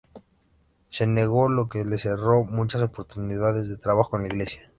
Se negó, lo que le cerró muchas oportunidades de trabajo en la iglesia.